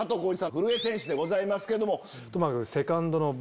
古江選手でございます。